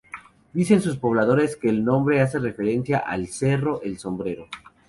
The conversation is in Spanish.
Dicen sus pobladores que el nombre hace referencia al cerro El Sombrero.